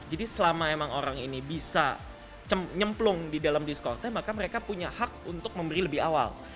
jadi selama emang orang ini bisa nyemplung di dalam discordnya maka mereka punya hak untuk memberi lebih awal